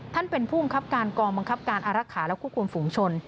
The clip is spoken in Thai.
ท่านเป็นผู้บังคับการกองบังคับการอารักษาและควบคุมฝูงชน